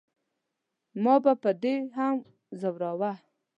ما به په دې هم زوراوه.